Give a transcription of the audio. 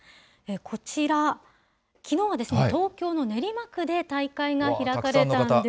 こちら、きのうはですね、東京の練馬区で大会が開かれたんです。